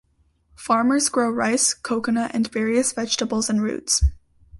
Farmers grow rice, coconut and various vegetables and roots.